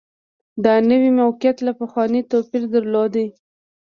دا نوي موقعیت له پخواني توپیر درلود